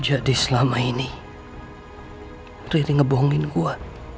jadi selama ini riri ngebohongin gua